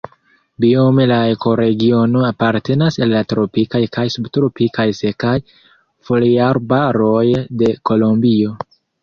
Biome la ekoregiono apartenas al la tropikaj kaj subtropikaj sekaj foliarbaroj de Kolombio.